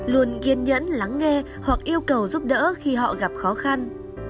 luôn kiên nhẫn lắng nghe hoặc yêu cầu giúp đỡ khi họ gặp khó khăn